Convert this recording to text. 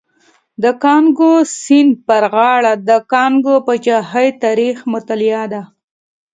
د کانګو سیند پر غاړه د کانګو پاچاهۍ تاریخ مطالعه ده.